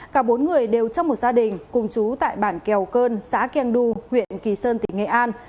cả bốn người đều trong một gia đình cùng chú tại bản kèo cơn xã keng du huyện kỳ sơn tỉnh nghệ an